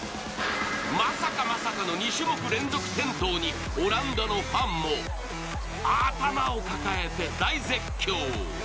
まさかまさかの２種目連続転倒にオランダのファンも頭を抱えて大絶叫。